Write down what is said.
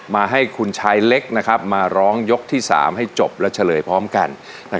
มาให้คุณชายเล็กมาร้องยกที่๓ให้จบและเฉลยพร้อมกัน